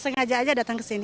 sengaja aja datang ke sini